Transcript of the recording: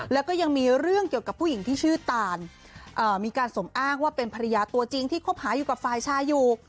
แล้วก็ยังมีเรื่องเกี่ยวกับผู้หญิงที่ชื่อตานมีการสมอ้างว่าเป็นภรรยาตัวจริงที่คบหาอยู่กับฝ่ายชายอยู่